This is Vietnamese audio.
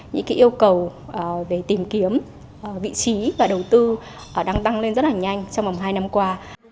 những yêu cầu về tìm kiếm vị trí và đầu tư đang tăng lên rất là nhanh trong vòng hai năm qua